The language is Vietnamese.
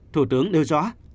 thủ tướng nêu rõ